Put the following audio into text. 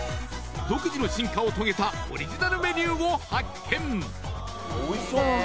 独自の進化を遂げたオリジナルメニューを発見おいしそう！